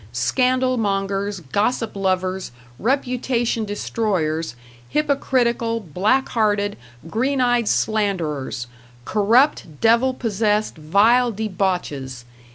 Scandal mongers, gossip lovers, reputation destroyers, hypocritical, black hearted, green eyed slanderers.... Corrupt, devil possessed, vile debauches....